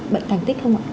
bệnh thành tích không ạ